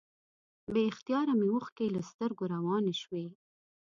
بې اختیاره مې اوښکې له سترګو روانې شوې.